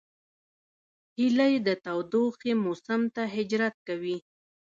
هیلۍ د تودوخې موسم ته هجرت کوي